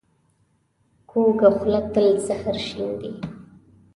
کوږه خوله تل زهر شیندي